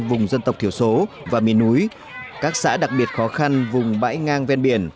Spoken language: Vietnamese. vùng dân tộc thiểu số và miền núi các xã đặc biệt khó khăn vùng bãi ngang ven biển